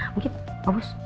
mungkin pak bus